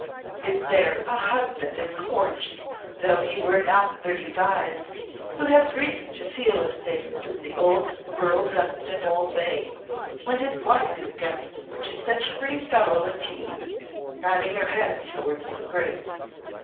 "Is there a husband at Court though he were not thirty five who has reason to feel as safe as the old Earl Dunstanwolde may when his wife is guest to such a pretty fellow as he?" nodding her head towards his Grace.